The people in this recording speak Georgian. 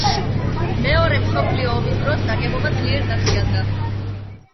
მეორე მსოფლიო ომის დროს ნაგებობა ძლიერ დაზიანდა.